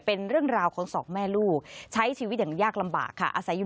เป็นเรื่องราวของสองแม่ลูกใช้ชีวิตอย่างยากลำบากค่ะอาศัยอยู่